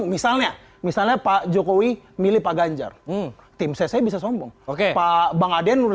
misalnya misalnya pak jokowi milih pak ganjar tim saya bisa sombong oke pak bang aden